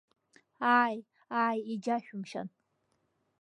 Ааи, ааи, иџьашәымшьан.